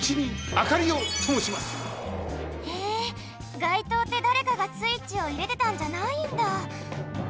へえがいとうってだれかがスイッチをいれてたんじゃないんだ！